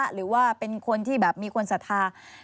หรือว่าเป็นคนที่แบบมีคนศรัทธา